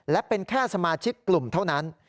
และเป็นแค่สมาชิกกลุ่มเท่านั้น